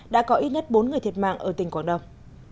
đã có ít nhất bốn người thiệt mạng ở tỉnh quảng đông